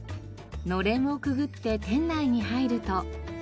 のれんをくぐって店内に入ると。